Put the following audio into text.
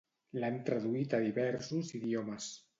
L'han traduït a diversos idiomes.